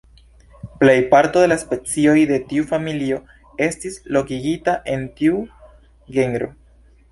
Plej parto de la specioj de tiu familio estis lokigita en tiu genro.